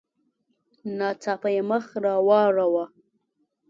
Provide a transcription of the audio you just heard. ناڅاپه یې مخ را واړاوه.